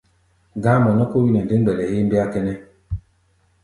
Gá̧á̧mɔ nɛ́ kó wí nɛ dé mgbɛlɛ héémbéá kʼɛ́nɛ́.